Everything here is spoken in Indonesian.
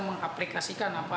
mengaplikasikan apa yang diberikan